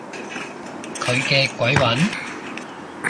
佢嘅鬼魂？